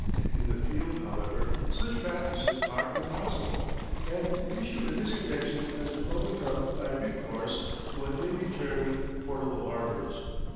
In the field, however, such practices are impossible, and the issue in this connection has been overcome by recourse to what may be termed portable harbours.